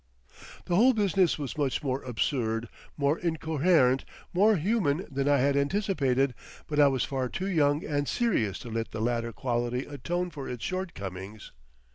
The whole business was much more absurd, more incoherent, more human than I had anticipated, but I was far too young and serious to let the latter quality atone for its shortcomings.